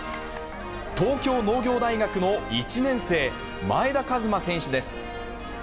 東京農業大学の１年生、前田和摩選手です。